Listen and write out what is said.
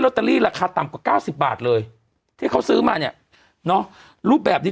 เตอรี่ราคาต่ำกว่าเก้าสิบบาทเลยที่เขาซื้อมาเนี่ยเนอะรูปแบบนี้